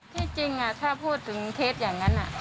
ที่จริงถ้าพูดถึงเคสอย่างนั้น